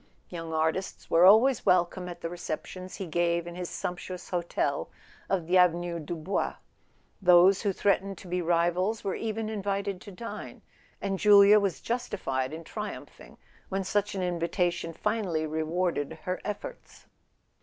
Young artists were always welcome at the receptions he gave in his sump¬ tuous hotel of the Avenue du Bois. Those who threat¬ ened to be rivals were even invited to dine; and Julia was justified in triumphing when such an invitation finally rewarded her efforts.